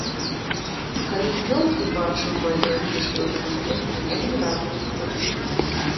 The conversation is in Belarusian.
Калі ідзём і бачым мае афішы на слупе, вельмі радуецца.